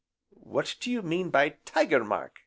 "What do you mean by 'Tiger mark?'"